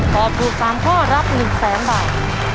ตอบถูกสามข้อรับ๑๐๐๐๐๐บาท